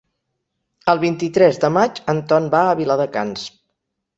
El vint-i-tres de maig en Ton va a Viladecans.